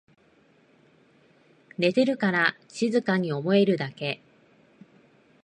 寝てるから静かに思えるだけ